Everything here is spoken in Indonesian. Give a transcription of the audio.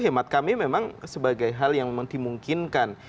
hemat kami memang sebagai hal yang memang dimungkinkan